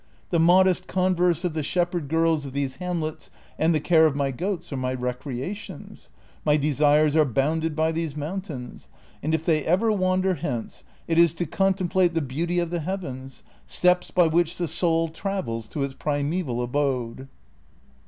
The mod est converse of the shepherd girls of these hamlets and the care of my goats are my recreations ; my desires are bounded by these mountains, and if they ever wander hence it is to contem plate the beauty of the heavens, steps l)y which the soul travels to its primeval abode."